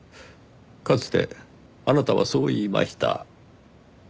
かつてあなたはそう言いました。